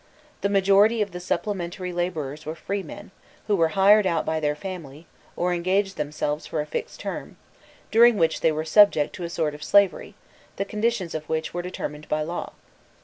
The majority of the supplementary labourers were free men, who were hired out by their family, or engaged themselves for a fixed term, during which they were subject to a sort of slavery, the conditions of which were determined by law.